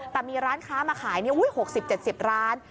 แต่มีร้านค้ามาขาย๖๐๗๐ร้าน